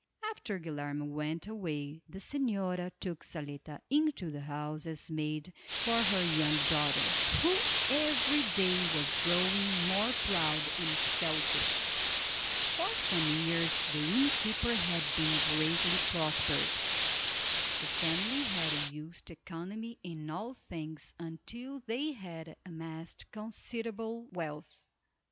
After Guilerme went away the señora took Zaletta into the house as maid for her young daughter, who every day was growing more proud and selfish. For some years the innkeeper had been greatly prospered. The family had used economy in all things until they had amassed considerable wealth.